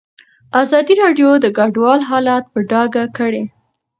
ازادي راډیو د کډوال حالت په ډاګه کړی.